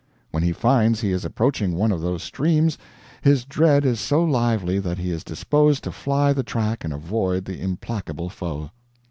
When he finds he is approaching one of those streams, his dread is so lively that he is disposed to fly the track and avoid the implacable foe.